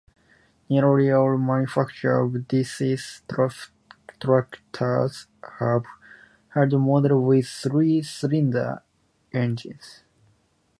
Nearly all manufacturers of diesel tractors have had models with three-cylinder engines.